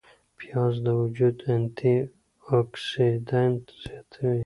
پیاز د وجود انتي اوکسیدانت زیاتوي